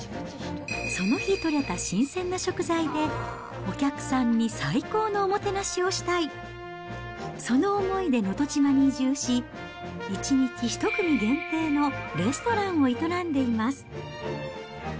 その日取れた新鮮な食材で、お客さんに最高のおもてなしをしたい、その思いで能登島に移住し、１日１組限定のレストランを営んでいます。